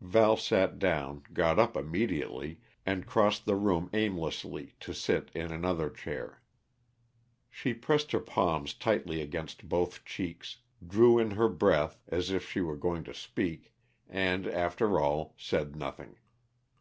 Val sat down, got up immediately, and crossed the room aimlessly to sit in another chair. She pressed her palms tightly against both cheeks, drew in her breath as if she were going to speak, and, after all, said nothing.